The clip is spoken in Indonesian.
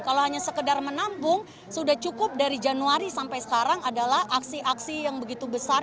kalau hanya sekedar menampung sudah cukup dari januari sampai sekarang adalah aksi aksi yang begitu besar